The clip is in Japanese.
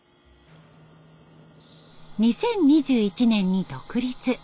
２０２１年に独立。